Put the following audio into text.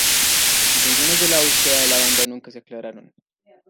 Las intenciones de la búsqueda de la banda nunca se aclararon.